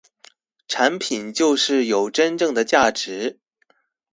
產品就是有真正的價值